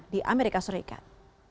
di amerika serikat